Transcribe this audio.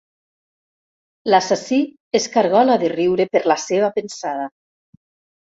L'assassí es cargola de riure per la seva pensada.